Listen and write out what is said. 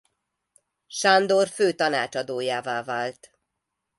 Sándor fő tanácsadójává vált.